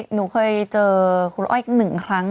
หนูเคยเจอคุณอ้อย๑ครั้ง